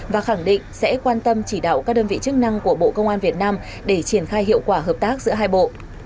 và khẳng định sẽ quan tâm chỉ đạo các đơn vị chức năng của bộ công an việt nam để triển khai hiệu quả hợp tác giữa hai bộ